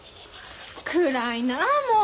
暗いなあもう。